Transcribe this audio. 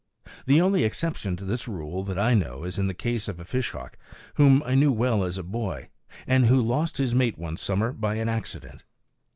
The only exception to this rule that I know is in the case of a fishhawk, whom I knew well as a boy, and who lost his mate one summer by an accident.